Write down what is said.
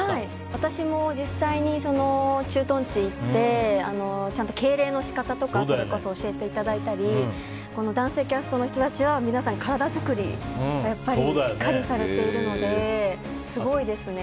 私も実際に駐屯地に行ってちゃんと敬礼の仕方とか教えていただいたり男性キャストの人たちは皆さん体作りをしっかりされているのですごいですね。